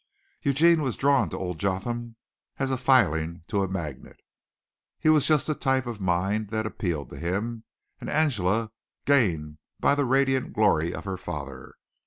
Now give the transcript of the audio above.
Eugene was drawn to old Jotham as a filing to a magnet. His was just the type of mind that appealed to him, and Angela gained by the radiated glory of her father.